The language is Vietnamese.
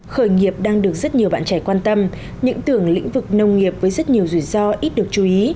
khởi nghiệp đang được rất nhiều bạn trẻ quan tâm những tưởng lĩnh vực nông nghiệp với rất nhiều rủi ro ít được chú ý